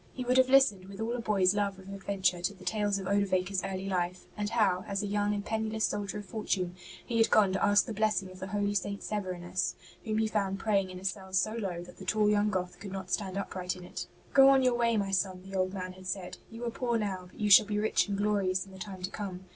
He would have listened with all a boy s love of adventure to the tales of Odovaker' s early life, and how, as a young and penniless soldier of fortune, he had gone to ask the blessing of the holy St. Severinus, whom he found praying in a cell so low, that the tall young Goth could not stand upright in it. 24 ST. BENEDICT ''Go on your way, my son/' the old man had said; '' you are poor now, but you shall be rich and glorious in the time to come."